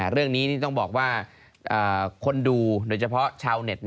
เรื่องนี้ต้องบอกว่าคนดูโดยเฉพาะชาวเน็ต